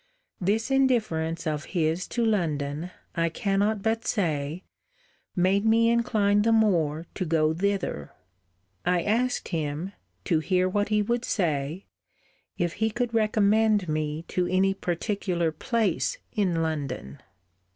This indifference of his to London, I cannot but say, made me incline the more to go thither. I asked him (to hear what he would say) if he could recommend me to any particular place in London?